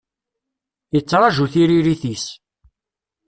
Yettraju tiririt-is.